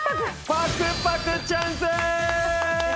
パクパクチャンス！